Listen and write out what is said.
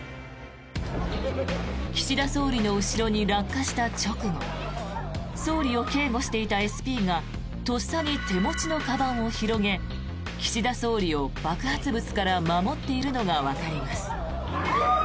岸田総理の後ろに落下した直後総理を警護していたＳＰがとっさに手持ちのかばんを広げ岸田総理を爆発物から守っているのがわかります。